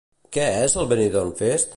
Què és el Benidorm Fest?